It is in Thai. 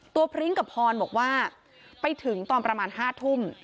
พริ้งกับพรบอกว่าไปถึงตอนประมาณ๕ทุ่ม